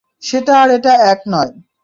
সেটা আর এটা এক নয়।